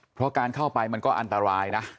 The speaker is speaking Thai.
เพราะการเข้าไปมันก็อันตรายนะ